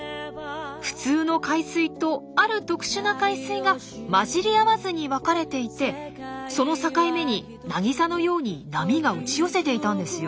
普通の海水とある特殊な海水が混じり合わずに分かれていてその境目になぎさのように波が打ち寄せていたんですよ。